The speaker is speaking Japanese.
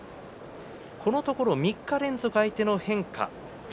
このところ３日連続で相手の変化